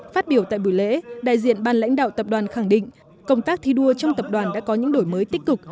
phát biểu tại buổi lễ đại diện ban lãnh đạo tập đoàn khẳng định công tác thi đua trong tập đoàn đã có những đổi mới tích cực